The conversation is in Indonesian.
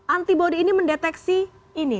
antibody ini mendeteksi ini